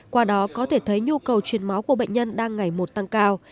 qua đó có thể thấy nhu cầu chuyển máu của bệnh nhân đang ngày một tăng cao